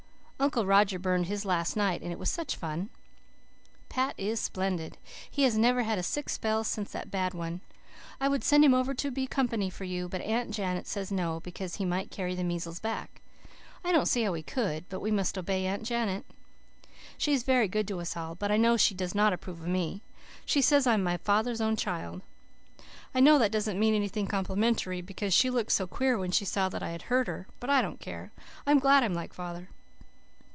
Uncle Roger burned his last night and it was such fun. "Pat is splendid. He has never had a sick spell since that bad one. I would send him over to be company for you, but Aunt Janet says no, because he might carry the measles back. I don't see how he could, but we must obey Aunt Janet. She is very good to us all, but I know she does not approve of me. She says I'm my father's own child. I know that doesn't mean anything complimentary because she looked so queer when she saw that I had heard her, but I don't care. I'm glad I'm like father.